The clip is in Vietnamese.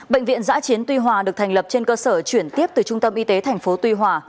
bệnh viện giã chiến tuy hòa được thành lập trên cơ sở chuyển tiếp từ trung tâm y tế tp tuy hòa